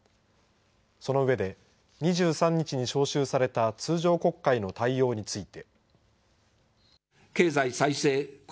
その上で２３日に召集された通常国会の対応について。